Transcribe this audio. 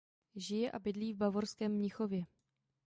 Žije a bydlí v bavorském Mnichově.